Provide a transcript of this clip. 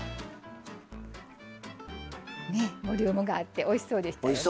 ねえボリュームがあっておいしそうでしたよね。